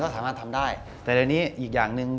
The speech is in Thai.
สามารถทำได้แต่เดี๋ยวนี้อีกอย่างหนึ่ง